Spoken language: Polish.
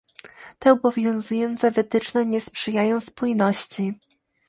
Te obowiązujące wytyczne nie sprzyjają spójności